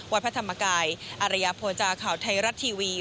วัดพระธรรมกายอารยาโภจาข่าวไทยรัฐทีวี